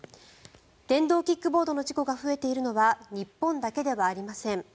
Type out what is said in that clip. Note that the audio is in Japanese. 電動キックボードの事故が増えているのは日本だけではありません。